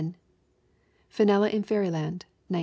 Finella in Fairyland, 1910.